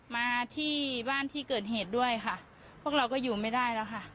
มาที่บ้านที่เกิดเหตุด้วยค่ะพวกเราก็อยู่ไม่ได้แล้วค่ะ